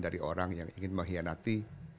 dari orang yang ingin mengkhianati